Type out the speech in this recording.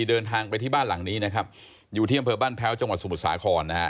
เดินทางไปที่บ้านหลังนี้นะครับอยู่ที่อำเภอบ้านแพ้วจังหวัดสมุทรสาครนะฮะ